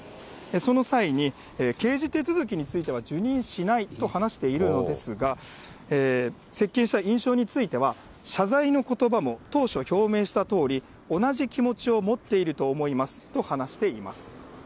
その際に、刑事手続きについては受任しないと話しているのですが、接見した印象については、謝罪のことばも当初、表明したとおり、同じ気持ちを持っていると思いますと話しています。